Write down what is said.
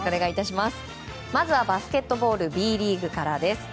まずはバスケットボールＢリーグからです。